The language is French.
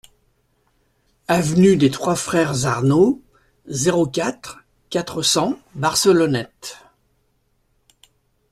Avenue des Trois Frères Arnaud, zéro quatre, quatre cents Barcelonnette